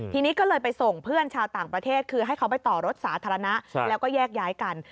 ทีนี้ก็เลยไปส่งเพื่อนชาวต่างประเทศคือให้เขาไปต่อรถสาธารณะแล้วก็แยกย้ายกัน